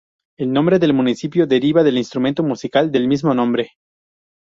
El nombre del municipio deriva del instrumento musical del mismo nombre.